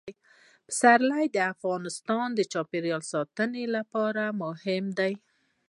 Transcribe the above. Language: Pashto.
پسرلی د افغانستان د چاپیریال ساتنې لپاره مهم دي.